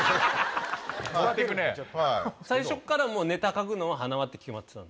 最初っからネタ書くのは塙って決まってたの？